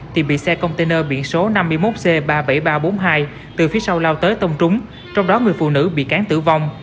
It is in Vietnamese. thì bị xe container biển số năm mươi một c ba mươi bảy nghìn ba trăm bốn mươi hai từ phía sau lao tới tông trúng trong đó người phụ nữ bị cán tử vong